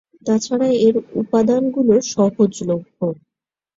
তাছাড়া এর উপাদানগুলো সহজলভ্য।